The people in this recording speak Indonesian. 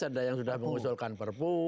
ada yang sudah mengusulkan perpu